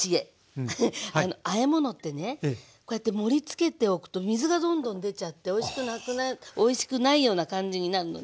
あえものってねこうやって盛りつけておくと水がどんどん出ちゃっておいしくないような感じになるのね。